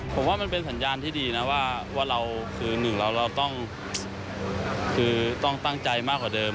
ผมว่ามันเป็นสัญญาณที่ดีนะว่าเราคือหนึ่งเราต้องคือต้องตั้งใจมากกว่าเดิม